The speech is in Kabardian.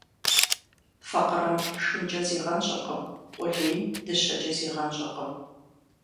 Факъырэм шхынкӏэ зигъэнщӏыркъым, къулейм дыщэкӏэ зигъэнщӏыркъым.